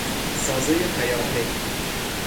سازهی پیاپی